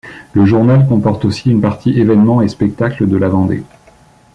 Le journal comporte aussi une partie évènements et spectacles de la Vendée.